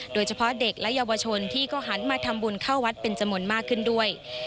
โดยเฉพาะเด็กและเยาวชนที่ก็หันมาทำบุญเข้าวัดเป็นจำนวนมากขึ้นด้วย